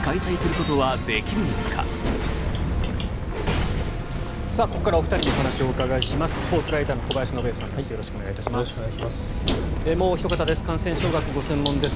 ここからはお二人にお話を伺います。